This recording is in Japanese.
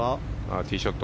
ティーショット